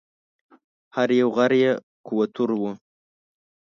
هر یو غر یې کوه طور و